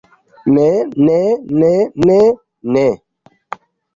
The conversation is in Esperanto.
Ne ne ne ne. Ne.